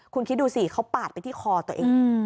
คุณคิดดูสิเขาปาดไปที่คอตัวเอง